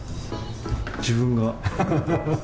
自分が。